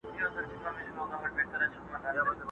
o اسي پوهېږي، دوږخ ئې!